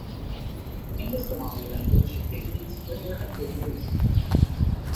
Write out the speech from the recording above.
In the Somali language, it means bringer of good news.